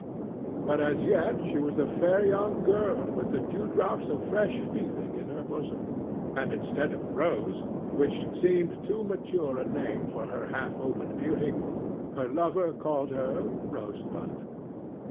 But as yet she was a fair young girl with the dewdrops of fresh feeling in her bosom, and, instead of "Rose"—which seemed too mature a name for her half opened beauty—her lover called her "Rosebud."